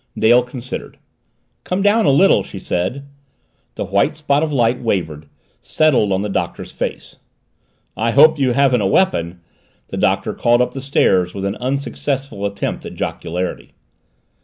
Dale considered. "Come down a little," she said. The white spot of light wavered, settled on the Doctor's face. "I hope you haven't a weapon," the Doctor called up the stairs with an unsuccessful attempt at jocularity.